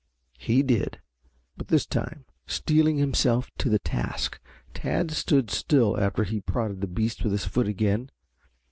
He did. But this time, steeling himself to the task, Tad stood still after he had prodded the beast with his foot again.